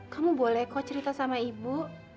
kamu boleh kok cerita sama ibu